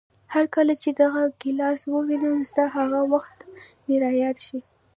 هرکله چې دغه ګیلاس ووینم، ستا هغه وخت مې را یاد شي.